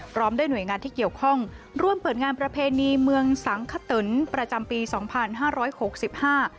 พร้อมด้วยหน่วยงานที่เกี่ยวข้องร่วมเปิดงานประเพณีเมืองสังขตนประจำปีสองพันห้าร้อยหกสิบห้า